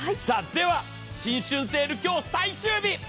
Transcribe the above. さあでは新春セール今日最終日！